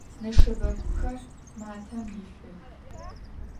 Neşşebeguxer matem yilhıx.